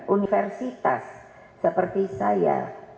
universitas seperti saya